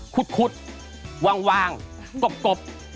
ขุดวางกบ